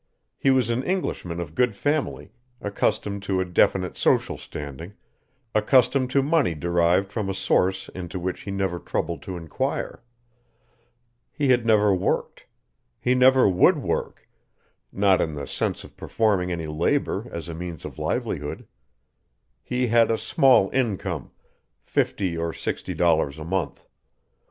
He was an Englishman of good family, accustomed to a definite social standing, accustomed to money derived from a source into which he never troubled to inquire. He had never worked. He never would work, not in the sense of performing any labor as a means of livelihood. He had a small income, fifty or sixty dollars a month.